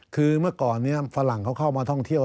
คือเมื่อก่อนนี้ฝรั่งเขาเข้ามาท่องเที่ยว